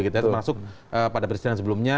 terus masuk pada persidangan sebelumnya